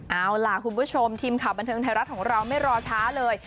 เอาล่ะคุณผู้ชมทีมข่าวบันเทิงไทยรัฐของเราไม่รอช้าเลย